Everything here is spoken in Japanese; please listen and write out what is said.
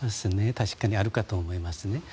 確かにあるかと思いますね。